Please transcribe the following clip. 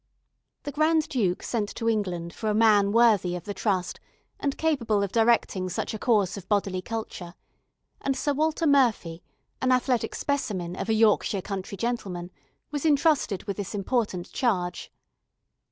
The Grand Duke sent to England for a man worthy of the trust, and capable of directing such a course of bodily culture, and Sir Walter Murphy, an athletic specimen, of a Yorkshire country gentleman, was entrusted with this important charge.